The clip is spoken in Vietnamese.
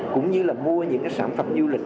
cũng như là mua những sản phẩm du lịch